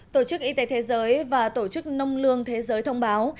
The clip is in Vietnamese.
tổ chức y tế thế giới và tổ chức nông lương thế giới thông báo